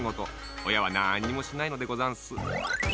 おやはなんにもしないのでござんす。